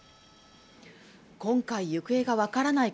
今回行方が分からない